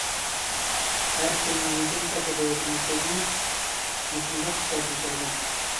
«ھەركىم نىيىتىدىن تاپىدۇ» دېگەن سۆزمۇ مۇشۇنداق ئىشلاردىن كەلگەن.